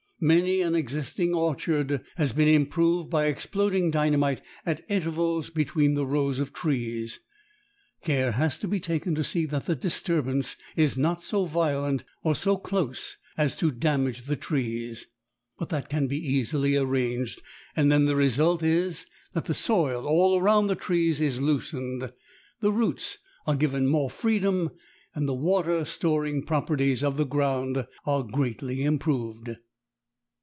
Many an existing orchard has been improved by exploding dynamite at intervals between the rows of trees. Care has to be taken to see that the disturbance is not so violent or so close as to damage the trees, but that can be easily arranged, and then the result is that the soil all around the trees is loosened, the roots are given more freedom and the water storing properties of the ground are greatly improved.